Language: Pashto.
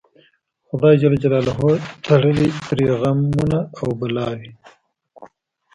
خدای تړلي ترې غمونه او بلاوي